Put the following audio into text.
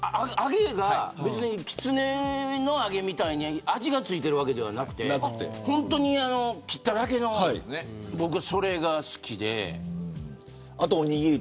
きつねの揚げみたいに味が付いているわけじゃなくて本当に切っただけの僕はそれが好きで。